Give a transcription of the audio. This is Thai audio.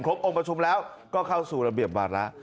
องค์ประชุมแล้วก็เข้าสู่ระเบียบวาระ